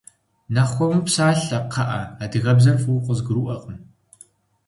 Нэхъ хуэму псалъэ, кхъыӏэ, адыгэбзэр фӏыуэ къызгурыӏуэкъым.